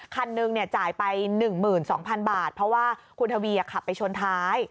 คันหนึ่งเนี่ยจ่ายไปหนึ่งหมื่นสองพันบาทเพราะว่าคุณทวีจะขับไปชนท้าย